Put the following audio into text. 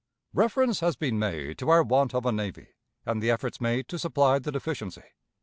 Reference has been made to our want of a navy, and the efforts made to supply the deficiency.